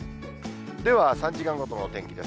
では３時間ごとの天気です。